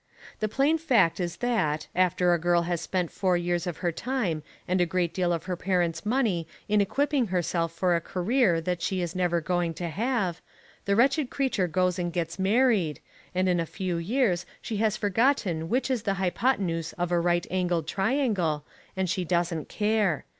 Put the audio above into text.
The plain fact is that, after a girl has spent four years of her time and a great deal of her parents' money in equipping herself for a career that she is never going to have, the wretched creature goes and gets married, and in a few years she has forgotten which is the hypotenuse of a right angled triangle, and she doesn't care.